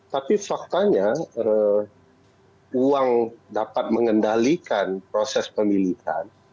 tapi faktanya uang dapat mengendalikan proses pemilihan